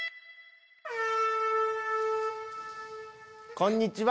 こんにちは。